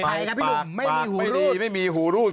ปากไม่ดีไม่มีหูรูด